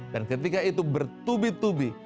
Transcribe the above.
dan ketika itu bertubi tubi